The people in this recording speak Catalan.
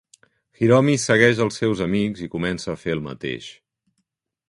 Hiromi segueix els seus amics i comença a fer el mateix.